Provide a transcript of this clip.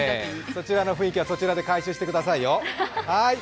そちらの雰囲気はそちらで回収してくださいよ。